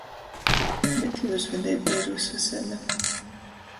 Bet i uzvedeiba ir vysvysaida.